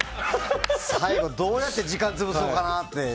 最後どうやって時間潰そうかなって。